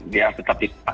dia tetap di